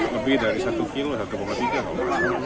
lebih dari satu tiga km